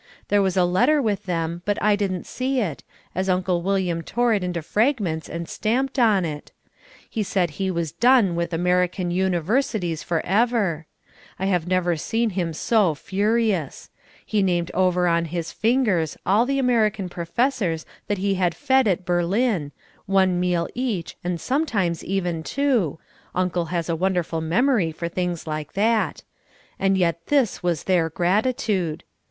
There was a letter with them but I didn't see it, as Uncle William tore it into fragments and stamped on it. He said he was done with American universities for ever: I have never seen him so furious: he named over on his fingers all the American professors that he had fed at Berlin, one meal each and sometimes even two, Uncle has a wonderful memory for things like that, and yet this was their gratitude.